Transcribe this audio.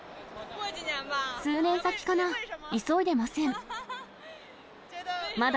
数年先かな、急いでません。